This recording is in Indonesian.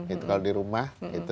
itu kalau di rumah